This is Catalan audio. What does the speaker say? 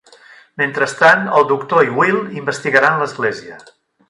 Mentrestant, el Doctor i Will investigaran l'església.